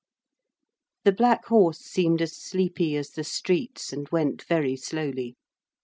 The black horse seemed as sleepy as the streets, and went very slowly.